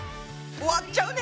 終わっちゃうね！